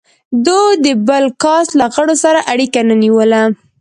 دوی د بل کاسټ له غړو سره اړیکه نه نیوله.